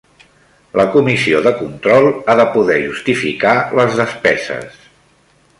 La Comissió de Control ha de poder justificar les despeses.